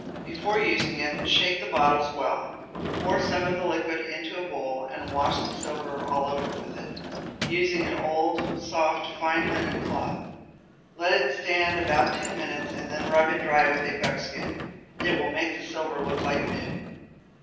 Before using it, shake the bottles well. Pour some of the liquid into a bowl, and wash the silver all over with it, using an old, soft, fine linen cloth. Let it stand about ten minutes, and then rub it dry with a buckskin. It will make the silver look like new.